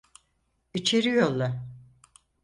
İçeri yolla.